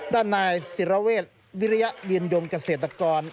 ด้านนายศิรเวศวิริยะเย็นยงเกษตรกร